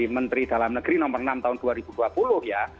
menteri dalam negeri nomor enam tahun dua ribu dua puluh ya